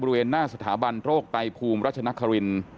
บริเวณหน้าสถาบันโรคไตภูมิรัชนคริน